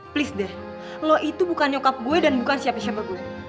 please deh lo itu bukan nyokap gue dan bukan siapa siapa gue